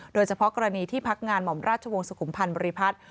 โดยเฉพาะกรณีที่พักงานหม่อมราชวงศ์สุขุมพันธ์บริพัฒน์